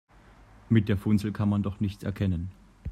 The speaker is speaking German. Mit der Funzel kann man doch nichts erkennen.